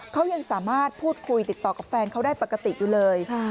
เขายังสามารถพูดคุยติดต่อกับแฟนเขาได้ปกติอยู่เลย